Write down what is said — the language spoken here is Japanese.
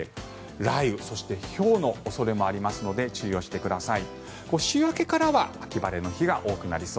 雷雨、そしてひょうの恐れもありますので注意をしてください。